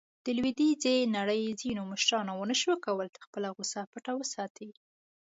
د لویدیځې نړۍ ځینو مشرانو ونه شو کولاې خپله غوصه پټه وساتي.